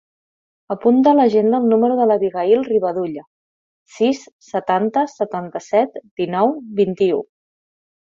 Apunta a l'agenda el número de l'Abigaïl Rivadulla: sis, setanta, setanta-set, dinou, vint-i-u.